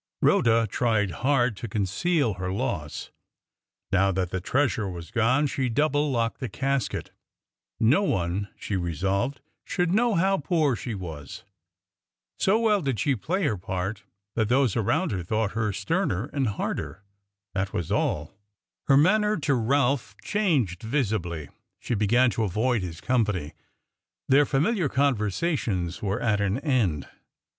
Rhoda tried hard to conceal her loss. Now that the treasure was gone, she double locked the casket. No one, she resolved, should know how poor she was. So well did she play her part, that those around thought her sterner and harder that was all. Her manner to Ralph changed visibly. She began to avoid his company; their familiar conversations were at an end.